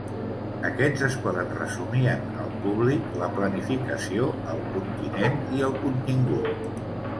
Aquests es poden resumir en: el públic, la planificació, el continent i el contingut.